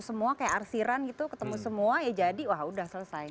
semua kayak arsiran gitu ketemu semua ya jadi wah udah selesai